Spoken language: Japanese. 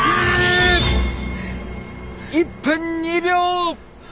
１分２秒！